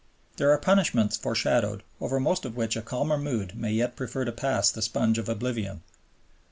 There are punishments foreshadowed over most of which a calmer mood may yet prefer to pass the sponge of oblivion.